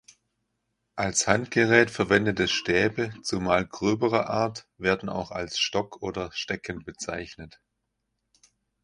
Als Handgerät verwendete Stäbe, zumal gröberer Art, werden auch als "Stock" oder "Stecken" bezeichnet.